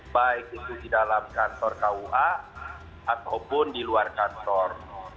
baik itu di dalam kantor kua ataupun di luar kantor